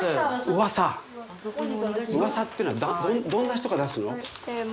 うわさっていうのはどんな人が出すの？